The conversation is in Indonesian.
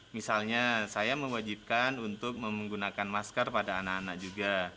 misalnya saya mewajibkan untuk menggunakan masker pada anak anak juga